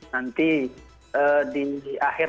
nanti di akhir